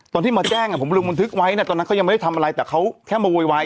ตอนที่มาแจ้งผมลงบันทึกไว้นะตอนนั้นเขายังไม่ได้ทำอะไรแต่เขาแค่มาโวยวาย